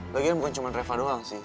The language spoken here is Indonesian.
bagian bukan cuma reva doang sih